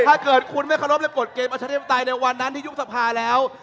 ถ้าเกิดคุณไม่เคารพในกฎเกมประชาธิปไตยในวันนั้นที่ยุบสภาแล้ว